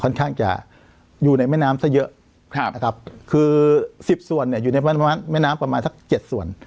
ข้างจะอยู่ในแม่น้ำซะเยอะนะครับคือสิบส่วนเนี่ยอยู่ในแม่น้ำประมาณสักเจ็ดส่วน